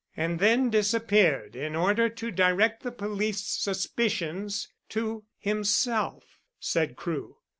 "And then disappeared in order to direct the police suspicions to himself," said Crewe.